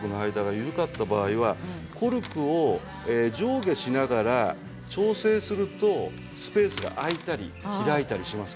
緩かった場合はコルクを上下しながら調整するとスペースが空いたり開いたりします。